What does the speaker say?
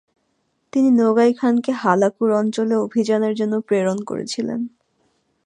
তিনি নোগাই খানকে হালাকুর অঞ্চলে অভিযানের জন্য প্রেরণ করেছিলেন।